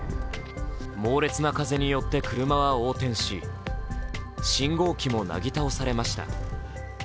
猛烈な風によって車は横転し、信号機もなぎ倒されました。